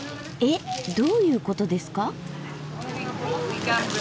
どういうことですか？